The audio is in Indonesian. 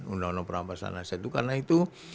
undang undang perampasan aset itu karena itu